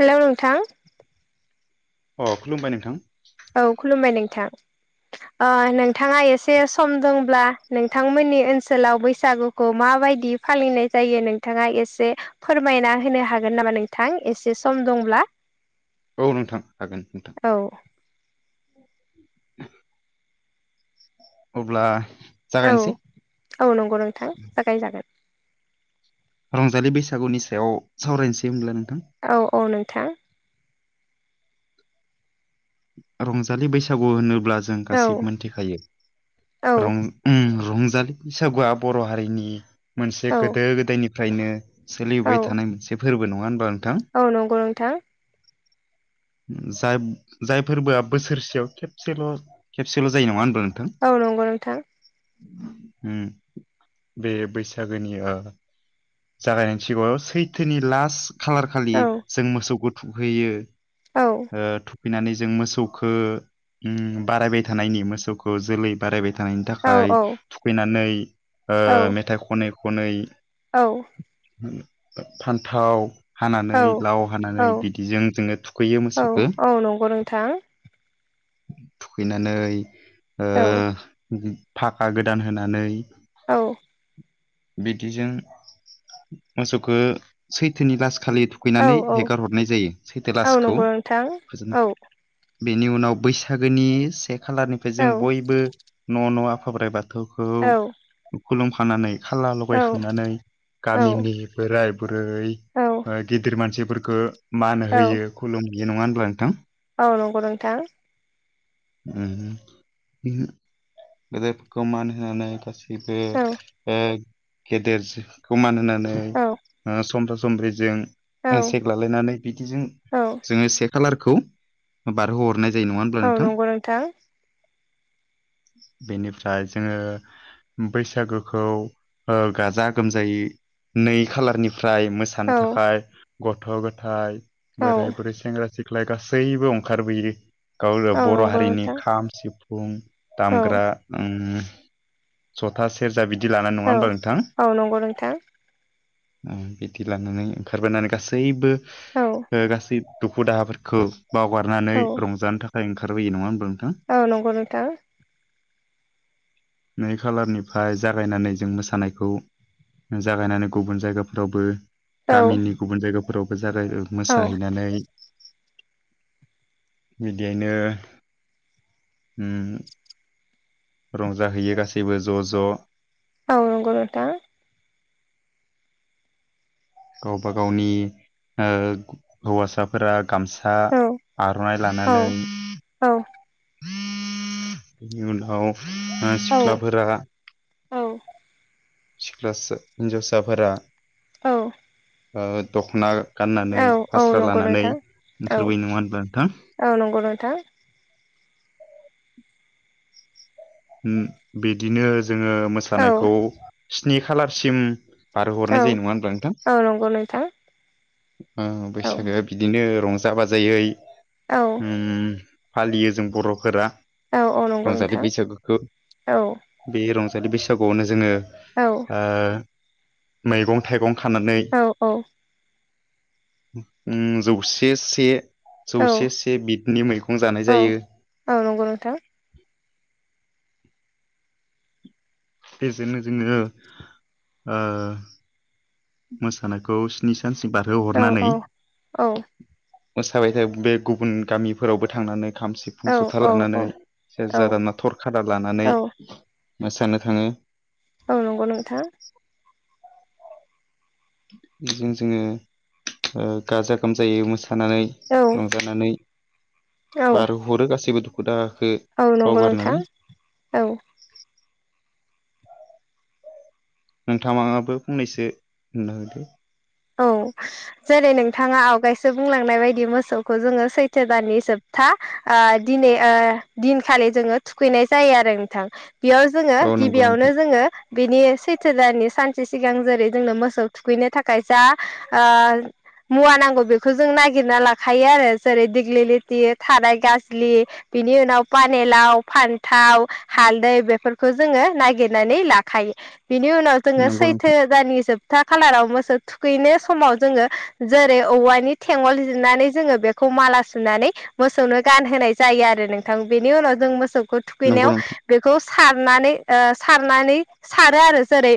Hello नोंथां अ खुलुमबाय नोंथां। औ खुलुमबाय नोंथां। ओ नोंथाङा एसे सम दंब्ला नोंथांमोननि ओनसोलाव बैसागुखौ माबायदि फालिनाय जायो नोंथाङा एसे फोरमायना होनो हागोन नामा नोंथां एसे सम दंब्ला। औ नोंथां हागोन नोंथां। औ अब्ला औ जागायनोसै औ नंगौ नोंथां जागायजागोन। रंजालि बैसागुनि सायाव सावरायनोसै होनब्ला नों औ औ नोंथां। रंजालि बैसागु होनो ब्ला जों औ गासै मोनथि खायो औ रं उम रं रंजालि बैसागुआ बर' हारिनि मोनसे औ गोदो गोदायनिफ्रायनो औ सोलिबाय थानाय मोनसे फोरबो नङा होनबा नोंथां औ नंगौ नोंथां जाय जाय फोरबोआ बोसोरसेयाव खेबसेल' खेबसेल' जायो नङा नोंथां औ नंगौ नोंथां उम बे बैसागोनि ओ जागायनायनि सिगाङाव सैथोनि लास्ट खालार खालि औ जों मोसौखौ थुहैयो औ फैनानै जों मोसौखौ बारायबाय थानायनि मोसौखौ जोलै बारायबाय थ थानायनि औ थाखाय औ थुखैनानै औ मेथाइ खनै खनै उम फान्थाव हानानै औ लाव हानानै औ बिदिजों जोङो थुखैयो मोसौखौ थां थुखैनानै औ थाखा गोदान होनानै औ बिदिजों मोसौखौ सैथोनि लास खालि औ थुखैनानै औ हेगार हरनाय जायो औ सैथेलासखौ नंगौ नोंथां फोजोबनो औ बेनि उनाव बैसागोनि से खालारनिफ्राय जों औ बयबो न' न' आफााब्राइ बाथ औ गथौखौ खुलुमफानानै खाला औ लगायखांनानै औ गामिनि बोराय औ बुरै गिदिर मानसि फोरख मान औ होयो खुलुमहैयो नङा होनब्ला नोंथां औ नंगौ नोंथां उम गेदेरफोरखौ मान होनानै बो औ ओ गेदेरखौ मान होनानै औ समब समबि जों औ हेनसेक लालायनानै बिदिजों औ जोङो से खालार खौ बारहोहरनाय औ नंगौ नोंथां। बेनिफ्राय जोङो बैसागोखौ ओ गाजा गोमजायै नै खालारनि फ्राय मोसानो औ थाखाय गथ' गथायाइ औ बोराय बुरै सेंग्रा सिख ख्लाय गासैबो ओंखारबोययो गाव औ बर' नंगौ हारिनि नोंथां खाम सिफुं औ दामग्रा उम जथा सेरजा बिदि बिदि लानाय नङा औ होमबा नोंथां। औ नंगौ नोंथां बिदि लानानै ओंखारबोनानै गासैबो औ। ओ गासै दुखु दाहाफोरखौ बावगारनानै औ रंजानो थाखाय ओंखारबोयो नङा होनब्ला नों औ नंगौ नोंथां। [inaudible] नै खालारनिफ्राय जागायनानै जों मोसानायखौ जागायनानै गुबुन जायगाफोरावबो औ गामिनि गुबुन जायगाफोरावबो जागायना औ मोसाहैनानै बिदियैनो उम रंजाहैयो गासैबो ज' ज' औ नंगौ नोंथां। गावबा गावनि ओ हौवासाफोरा गामसा औ आर'नाइ लानानै बेनि उनाव औ सिख्लाफोरा औ। सिख्लासा हिनजावसाफोरा। औ। ओ दख'ना, गाननानै फास्रा नंगौ लानानै नोंथां औ ओंखारबो नङा होनबा नोंथां। औ नंगौ नोंथां ओम बिदिनो जोङो मोसानायखौ औ स्नि खालारसिम बार हरनाय औ जायो नङा होनब्ला नोंथां। औ नंगौ नोंथां ओ औ बैसागोआ बिदिनो रंजा बाजायै औ उम फालियो जों बर'फोरा। औ औ नंगौ नोंथां। गो औ बे रंजालि बैसागुआवनो जोङो औ ओ मैगं थाइगं खानानै औ उम जौसे से औ जौसे से बिदनि मैगं जानाय औ जायो। औ नंगौ नोंथां बेजोंनो जोङो ओ मोसानायखौ स्नि सा सिम औ बारहोहरनानै औ औ मोसाबाय था बे गुबुन गामिफोरावबो थांनानै, खाम औ सिफुं जथा औ लानानै औ सेरजा लाना थरखादार लानानै, औ मोसानो थाङो। औ नंगौ नोंथां। बेजों जोङो ओ गाजा गोमजायै मोसा मोसानानै औ रंजानानै औ बारहरो गासैबो दुखु दाहाखौ। खो औ नंगौ नोंथां बावगारनानै। औ नोंथाङामाबो फंनैसो बुंना होदो। औ जेरै नोंथाङा आवगायसो बुंलांनाय बायदि मोसौखौ जोङो सैथो दाननि जोबथा दिनै दिनखालि, जोङो थुखैनाय जायो आरो नोंथां बेयाव जोङो औ नंगौ गिबियावनो नोंथां जोङो, बिनि सैथो दाननि सानसे सिगां जेरै जोंनो मोसौ थुखैनो थाख खायसा ओ मुवा नांगौ बेखौ जों नागिरना लाखायो आरो जेरै दिग्लिलिथि थाराय गाज्लि, बिनि उनाव पानिलाव फान्थाव हालदै बेफोरखौ जोङो नागिरनानै लाखायो। बिनि उनाव जोङो नंगौ सैथो नोंथां दाननि जोबथा खालाराव मोसौ, थुखैनो समाव जोङो जेरै औवानि थेंउल जिरनानै जोङो बेखौ माला सुनानै, मोसौनो गानहोनाय जायो आरो नोंथां बेनि उनाव जों मोसौ, नंगौ थुखैनायाव नोंथां बेखौ सारनानै ओ सारनानै सारो आरो जेरै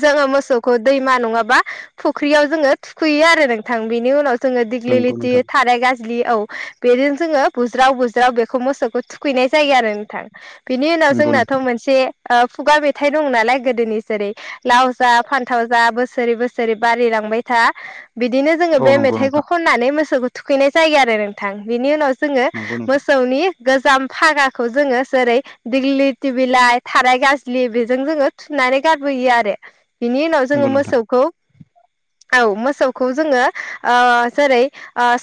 जोङो मोसौखौ दैमा नङाबा फुख्रियाव जोङो थुखैयो आरो नोंथां बेनि उनाव, जोङो नंगौ दिग्लिथि नोंथां थाराय गाजि गाज्लि औ बेजों जोङो बुज्राव बुज्राव बेखौ मोसौखौ थुखैनाय जायो आरो नोंथां बिनि उनाव नंगौ जोंनाथ' नोंथां मोनसे खुगा मेथाइ दं नालाय गोदोनि जेरै लाव जा फान्थाव जा बोसोरै बोसोर जेरै बारिलांबाय था बिदिनो जोङो औ बे नंगौ मेथाइखौ नोंथां खननानै मोसौखौ थुखैनाय जायो आरो नोंथां बेनि उनाव जोङो नंगौ नोंथां मोसौनि गोजाम फागाखौ जोङो जेरै दिग्लिलिटि बिलाइ थाराय गाज्लि बेजों जोङो थु नानै गारबोयो आरो बिनि उनाव नंगौ जोङो नोंथां मोसौखौ औ मोसौखौ जोङो ओ जेरै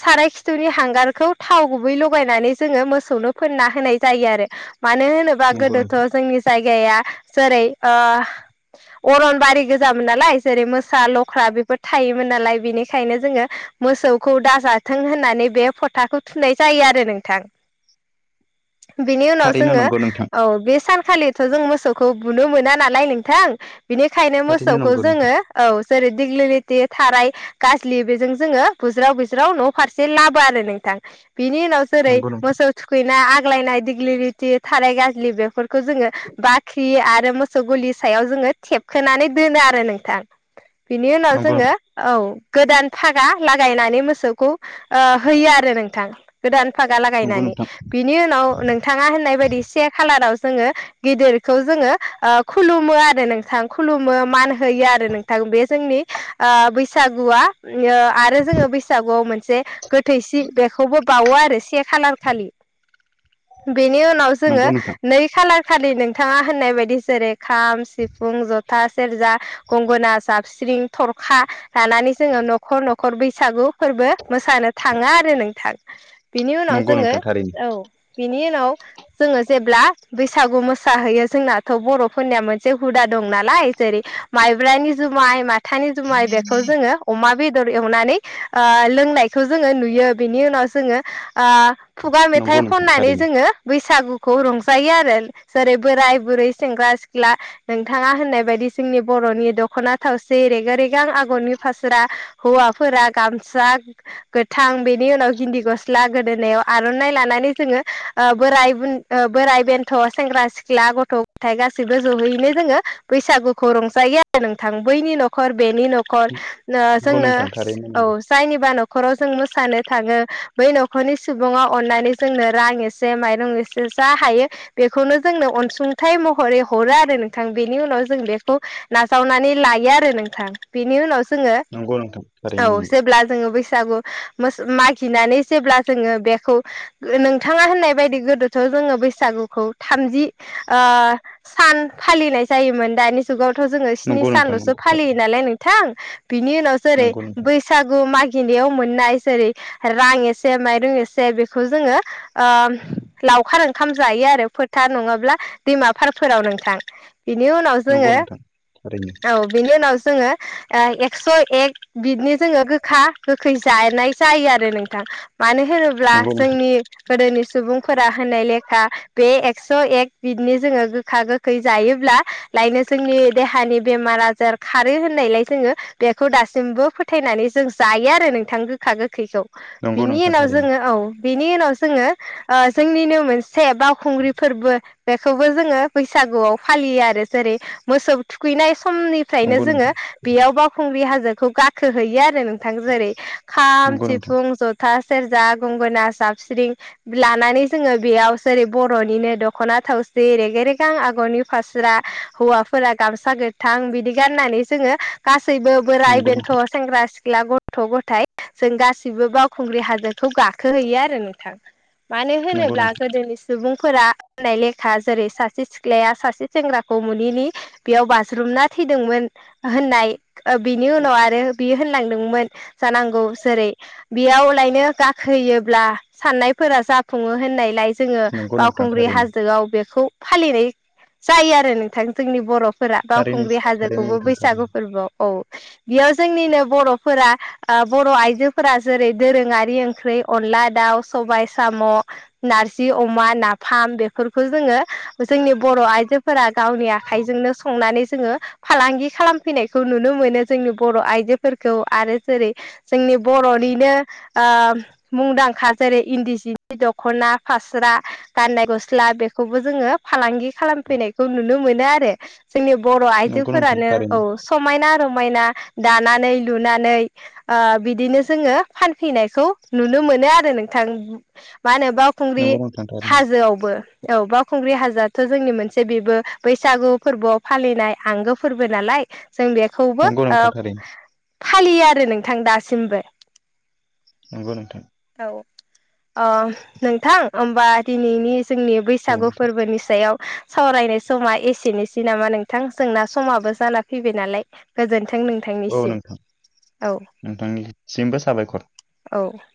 साराय खिथुनि हांगारखौ थाव गुबै, लगायनानै जोङो मोसौनो फोनना होनाय जायो आरो मानो होनोबा नंगौ गोदोथ' नोंथां जोंनि जायगाया जेरै ओ अरन बारि गोजामोन नालाय जेरै मोसा लख्रा बेफोर थायोमोन नालाय बेनिखायनो जोङो मोसौखौ दाजाथों होननानै बे फोथाखौ थुनाय जायो आरो नोंथां बेनि उनाव थारैनो जोङो नंगौ नोंथां औ बे सान खालिथ' जों मोसौखौ बुनो मोना नालाय नोंथां बिनिखायनो थारैनो मोसौखौ नंगौ जोङो, नोंथां औ जेरै दिग्लिलिथि थाराय गाज्लि बेजों जोङो बुज्राव बज्राव न' फारसे लाबो [unintelligible] बिनि उनाव जेरै नंगौ नोंथां मोसौ थुखैनाय आग्लायनाय दिग्लि रिथि थाराय गाज्लि बेफोर खौ जोङो बाख्रि आरो मोसौ गलि सायाव जोङो थेबखोनानै दोनो आरो नोंथां । बिनि उनाव नंगौ जोङो नोंथां औ गोदान फागा लागायनानै मोसौखौ ओ होयो आरो नोंथां गोदान फागा नंगौ लागायनानै नोंथां बिनि उनाव नोंथाङा होननाय बायदि से कालाराव जोङो गिदिरखौ जोङो ओ खुलुमो आरो नोंथां खुलुमो मान होयो आरो नों बे जोंनि बैसागुआ आरो जोङो बैसागुआव मोनसे गोथै सि बेखौबो बावो आरो से खालार खालि बेनि उनाव जोङो नंगौ नोंथां नै खालार खालि नोंथाङा होननाय बायदि जेरै खाम, सिफुं, जथा, सेरजा, गंगना जाबस्रिं, थरखा लानानै जोङो न'खर न'खर बैसागु फोरबो मोसानो थाङो आरो नोंथां बिनि उनाव नंगौ जोङो नोंथां थारैनो औ बिनि उनाव जोङो जेब्ला बैसागु मोसाहैयो जोंनाथ' बर'फोरनिया मोनसे हुदा दं नालाय जेरै माइब्रानि जुमाय माथानि जुमाय बेखौ जोङो अमा बेदर बेदर एवनानै ओ लोंनायखौ जोङो नुयो बेनि उनाव जोङो ओ खुगा मेथाइ नंगौ नोंथां खननानै थारैनो जोङो बै बैसागुखौ रंजायो आरो जेरै बोराय बुरै सेंग्रा सिख्ला नोंथाङा होननाय बायदिसि जोंनि बर'नि द- द'खना थावसि रेगे रेगां आगरनि फास्रा हौवाफोरा गामसा गोथां बेनि उनाव गेन्दि गसाला गोदोनायाव आर'नाय लानानै जोंङो ओ बोराय बुन ओ बोराय बेन्थ' सेंग्रा सिख्ला गथ' गथाय गासैबो जहैयैनो जोङो बैसागुखौ रंजायो । नोंथां बैनि न'खर बेनि न'खर नंगौ जोंनो नोंथां थारैनो औ नंगौ जायनिबा न'खर न'खराव जों मोसानो थाङो बै न'खरनि सुबुङा अननानै जोंनो रां एसे माइरं एसे जा हायो बेखौनो जोंनो अनसुंथाइ महरै हरो आरो नोंथां बेनि उनाव जों बेखौ नाजावनानै लायो आरो नोंथां बेनि उनाव जोङो नंगौ नोंथां औ थारैनो नंगौ जेब्ला जोङो बै मागिनानै जेब्ला जोङो बेखौ नोंथाङा होननाय बायदि गोदोथ' जङो बैसागुखौ थामजि ओ सान फालिनाय जायोमोन दानि जुगाव थ' जोंङो स्नि नंगौ सान नोंथां ल'सो नंगौ फालियो थारैनो नालाय नोंथां बिनि उनाव जेरै नंगौ नोंथां बैसागु मा गियान मोननाय जेरै रां एसे, माइरं एसे, बेखौ जोङो ओ लावखार ओंखाम जायो आरो फोथार नङाब्ला दैमा फारफोराव नोंथां। बिनि उनाव नंगौ जोङो नोंथां थारैनो । औ बेनि उनाव जोङो एकस' एक बिदिनि जोङो गोखा गोखै जानाय जायो आरो नोंथां मानो होनोब्ला नंगौ नोंथां जोंनि गोदोनि सुबुंफोरा होननाय लेखा बे एक्स' एक बिदनि जोङो गोखा गोखै जायोब्ला लायनो जोंनि देहानि बेमार आजार खारो होननायलाय जोङो बेखौ दासिमबो फोथायनानै जों जायो आरो नोंथां गोखा गोखैखौ नंगौ बिनि नोंथां उनाव थारैनो जोङो औ। बेनि उनाव जोङो ओ जोंनिनो मोनसे बावखुंग्रि फोर्बो बेखौबो जोङो बैसागुआव फालियो आरो जेरै मोसौ थुखैनाय समनिफ्रायनो नंगौ जोङो नोंथां बेयाव बावखुंग्रि हाजोखौ गाखोहैयो आरो नोंथां जेरै खाम, नंगौ नोंथां सिफुं, जथा सेरजा, गंगोना, साबस्रिं लानानै जोङो बेयाव जेरै बर'निनो दख'ना थावसि रेगे रेगां आगरनि फास्रा हौवाफोरा गामसा गोथां बिदि गाननानै जोङो गासैबो बोराय, नंगौ बेन्थ', नोंथां सेंग्रा सिख्ला सिख्ला, गथ' गथाय जों गासिबो बावखुंग्रि हाजोखौ गाखोहैयो आरो नोंथां। मानो नंगौ होनोब्ला नोंथां गोदोनि सुबुं सुबुंफोरा होननाय लेखा जेरै सासे सिख्लाया सासे सेंग्राखौ मोनैनि बेयाव बास्रुम ना थैदोंमोन होननाय बिनि उनाव आरो बियो होनलांदोंमोन जानांगौ जेरै बेयावलायनो गाखोयोब्ला साननाय फोरा जाफुङो होननाय लाय जोङो नंगौ नोंथां बावखुंग्रि थारैनो हाजोआव बेखौ फालिनाय जायो आरो नोंथां जोंनि बर' फोर थारैनो बावखुंग्रि थारैनो हाजोखौबो नोंथां बैसागु थारैनो फोर्बोआव औ । बेयाव जोंनिनो बर'फोरा ओ बर' आइजोफोरा जेरै दोरोङारि ओंख्रि अन अनला दाउ, सबाय साम', नारजि अमा, नाफाम बेफोरखौ जोङो जोंनि बर' आइजोफोरा गावनि आखाइजोंनो सं संनानै जोङो फालांगि खालामफैनायखौ नुनो मोनो जोंनि बर' आइजोफोरखौ आरो जेरै जोंनि बर'निनो ओ मुंदांखा जेरै इन्दि सिनि दख'ना, फास स्रा, गाननाय गस्ला बेखौबो जोङो फालांगि खालामफैनायखौ नुनो मोनो आरो । जोंनि बर' नंगौ नोंथां आइजोफोरानो थारैनो औ समायना रमायना दानानै-लुनानै ओ बिदिनो जोङो फानफैनायखौ नुनो मोनो आरो नोंथां मा होनो बावखुंग्रि नंगौ नोंथां थारैनो हाजोआवबो । औ बावखुंग्रि हाजोआथ' जोंनि मोनसे बेबो बैसागु फोर्बोआव फालिनाय आंगो फोरबो नालाय जों बेखौबो नंगौ ओ नोंथां थारैनो फालियो आरो नोंथां दासिमबो । नंगौ नोंथां । ओ नोंथां होमबा दिनैनि जोंनि औ बैसागु नोंथां फोर्बोनि सायाव सावरायनाय स'मा एसेनोसै नामा नोंथां? जोंना समाबो जाना फैबाय नालाय गोजोन नथों औ नोंथांनिसिम नोंथां । औ नोंथांनिसिमबो साबायखर औ ।